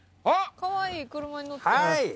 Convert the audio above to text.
かわいい車に乗って。